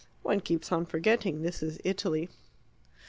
One keeps on forgetting this is Italy."